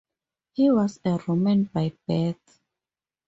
He was a Roman by birth.